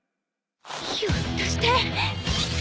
ひょっとして。